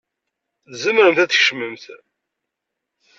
Tzemremt ad tkecmemt.